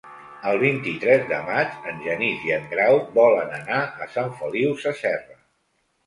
El vint-i-tres de maig en Genís i en Grau volen anar a Sant Feliu Sasserra.